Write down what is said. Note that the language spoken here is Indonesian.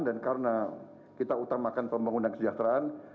dan karena kita utamakan pembangunan kesejahteraan